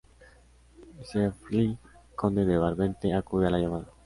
Siegfried, conde de Brabante, acude a la llamada.